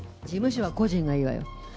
事務所は個人がいいわよ。